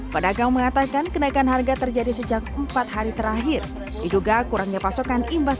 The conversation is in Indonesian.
pedagang mengatakan kenaikan harga terjadi sejak empat hari terakhir diduga kurangnya pasokan imbas